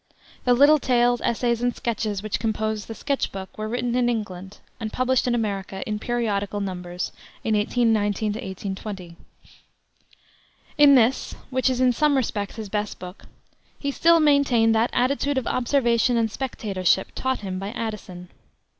The little tales, essays, and sketches which compose the Sketch Book were written in England, and published in America, in periodical numbers, in 1819 20. In this, which is in some respects his best book, he still maintained that attitude of observation and spectatorship taught him by Addison.